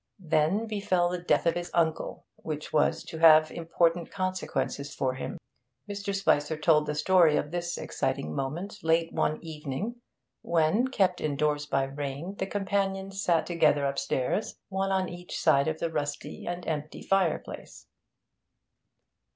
Then befell the death of his uncle, which was to have important consequences for him. Mr. Spicer told the story of this exciting moment late one evening, when, kept indoors by rain, the companions sat together upstairs, one on each side of the rusty and empty fireplace.